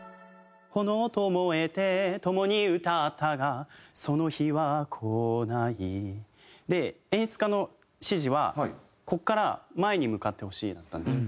「炎と燃えて」「共に唄ったがその日は来ない」で演出家の指示は「ここから前に向かってほしい」だったんですよ。